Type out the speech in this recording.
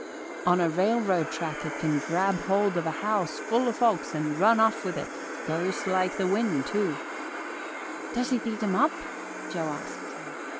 "On a railroad track it can grab hold of a house full o' folks and run off with it. Goes like the wind, too." "Does it eat 'em up?" Joe asked.